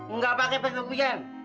enggak pakai bagian